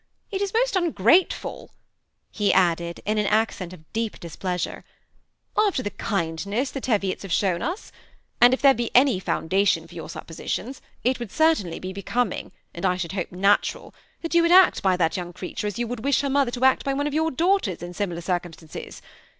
It is most ungrateful," he added, in an accent of deep displeasure, " after the kindness the Teviots have shown us ; and if there be 222 THE raaa ATTACHED OOUPLE, an J foandatioii for your sappositione, it would certainlj be beooming, and I should hope aaturai, that jou would act bj that jonng creature as you would wish her mother to act by one of your daughters in similar cir comstanoes.